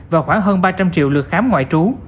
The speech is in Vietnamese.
và khoảng hơn ba trăm linh triệu lượt khám ngoại trú